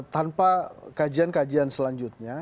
tanpa kajian kajian selanjutnya